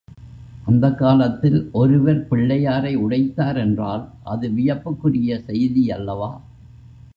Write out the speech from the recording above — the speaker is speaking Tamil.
அந்தக் காலத்தில் ஒருவர் பிள்ளையாரை உடைத்தார் என்றால் அது வியப்புக்குரிய செய்தியல்லவா?